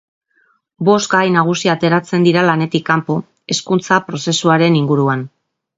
Bost gai nagusi ateratzen dira lanetik kanpo, Hezkuntza Prozesuaren inguruan.